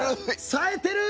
さえてる！